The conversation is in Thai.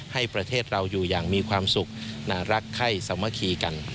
ให้ประเทศเราอยู่อย่างมีความสุขน่ารักไข้สามัคคีกัน